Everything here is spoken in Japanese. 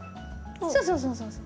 そうそうそうそう。